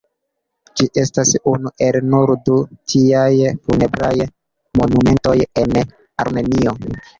Ĝi estas unu el nur du tiaj funebraj monumentoj en Armenio.